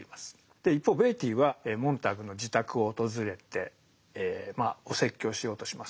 で一方ベイティーはモンターグの自宅を訪れてえまあお説教しようとします。